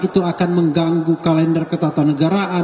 itu akan mengganggu kalender ketatuan negaraan